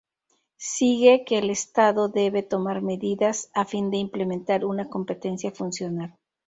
Sigue que el estado debe tomar medidas a fin de implementar una competencia funcional.